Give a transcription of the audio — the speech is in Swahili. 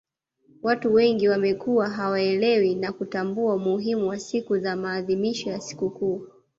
watu wengi wamekuwa hawaelewi na kutambua umuhimu wa siku za maadhimisho ya sikukuu